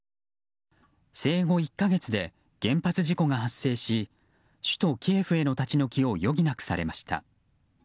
生後１か月で原発事故が発生し首都キエフへの立ち退きを余儀なくされました。